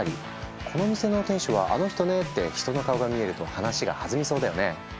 「この店の店主はあの人ね」って人の顔が見えると話が弾みそうだよね。